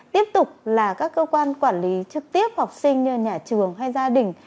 tiếp tục là các cơ quan quản lý trực tiếp học sinh như nhà trường hay gia đình